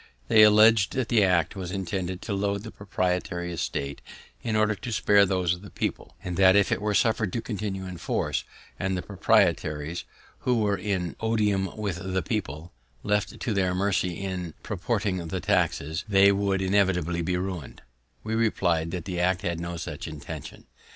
They alledg'd that the act was intended to load the proprietary estate in order to spare those of the people, and that if it were suffer'd to continue in force, and the proprietaries, who were in odium with the people, left to their mercy in proportioning the taxes, they would inevitably be ruined.